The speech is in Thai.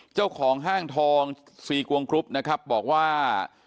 เจ้าของห้างทองซีกวงกรุ๊ปนะครับบอกว่า